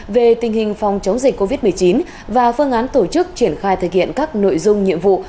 về tình hình phòng chống dịch covid một mươi chín và phương án tổ chức triển khai thực hiện các nội dung nhiệm vụ